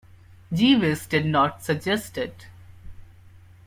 Jeeves did not suggest it.